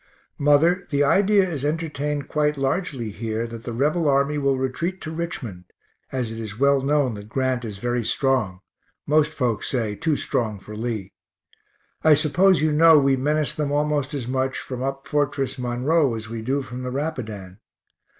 Mother, the idea is entertained quite largely here that the Rebel army will retreat to Richmond, as it is well known that Grant is very strong (most folks say too strong for Lee). I suppose you know we menace them almost as much from up Fortress Monroe as we do from the Rapidan.